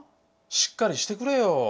しっかりしてくれよ。